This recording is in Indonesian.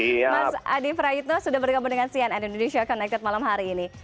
mas adi prayitno sudah bergabung dengan cnn indonesia connected malam hari ini